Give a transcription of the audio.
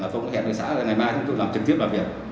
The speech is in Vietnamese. phong hẹn xã ngày mai chúng tôi làm trực tiếp làm việc